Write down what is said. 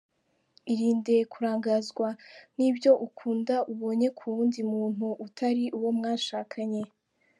Irinde kurangazwa n’ibyo ukunda ubonye ku wundi muntu utari uwo mwashakanye.